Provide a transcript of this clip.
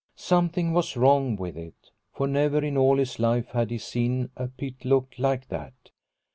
Something was wrong with it, for never in all his life had he seen a pit look like that.